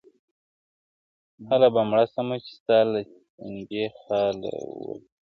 هله به مړ سمه چي ستا له سينکي خاله وځم~